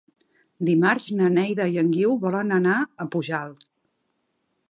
Dimarts na Neida i en Guiu volen anar a Pujalt.